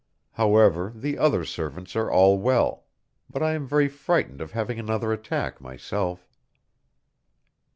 However, the other servants are all well, but I am very frightened of having another attack, myself.